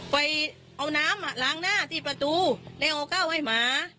ไปเอาน้ำล้างหน้าที่ประตูแล้วเอาข้าวให้หมา